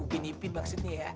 gua binipin maksudnya ya